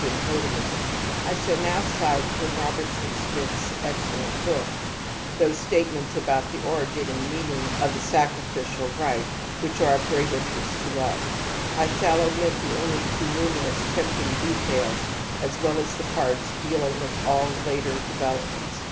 INFANTILE RECURRENCE OF TOTEMISM 221 I shall now cite from Robertson Smith's ex cellent book •• those statements about the origin and meaning of the sacrificial right which are of great interest to us ; I shall omit the only too numerous tempting details as well as the parts dealing with all later developments.